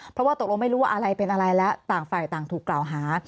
เพราะว่าตกลงไม่รู้ว่าอะไรเป็นอะไรแล้วต่างฝ่ายต่างถูกกล่าวหา